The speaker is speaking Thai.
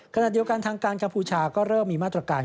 ขณะเดียวกันทางการกัมพูชาก็เริ่มมีมาตรการ